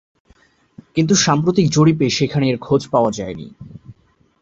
কিন্তু সাম্প্রতিক জরিপে সেখানে এর খোঁজ পাওয়া যায়নি।